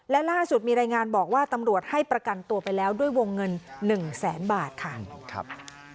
และล่าสุดมีรายงานบอกว่าตำรวจให้ประกันตัวไปแล้วด้วยวงเงิน๑แสนบาทค่ะ